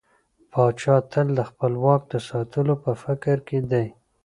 پاچا تل د خپل واک د ساتلو په فکر کې دى.